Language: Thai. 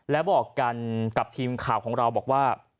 และบอกกันกับทีมข่าวของเรา